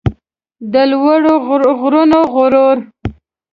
د لوړو غرونو غرور